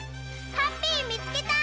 ハッピーみつけた！